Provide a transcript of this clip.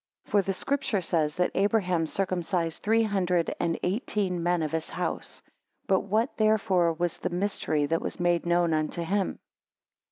11 For the Scripture says that Abraham circumcised three hundred and eighteen men of his house. But what therefore was the mystery that was made known unto him!